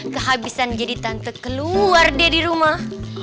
kehabisan jadi tante keluar dari rumah